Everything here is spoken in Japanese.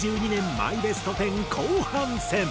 マイベスト１０後半戦。